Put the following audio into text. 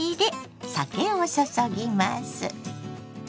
酒を注ぎます。